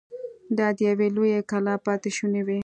دا د يوې لويې کلا پاتې شونې وې.